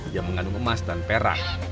yang mengandung emas dan perak